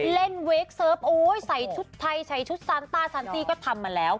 เล่นเวคเสิร์ฟใส่ชุดไทยใช้ชุดซานต้าซานซี่ก็ทำมาแล้ว